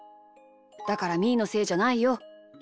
だからみーのせいじゃないよ。